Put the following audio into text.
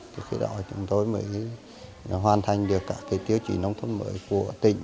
thì khi đó chúng tôi mới hoàn thành được cả cái tiêu chí nông thôn mới của tỉnh